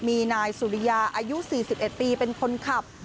มีนายสุริยาอายุ๔๑ปีเป็นคนขับ